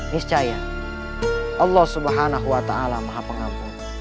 niscaya allah swt maha pengampun